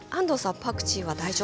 パクチーは大丈夫ですか？